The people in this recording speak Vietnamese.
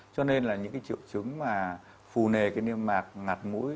cho nên là những cái triệu chứng mà phù nề cái niêm mạc mũi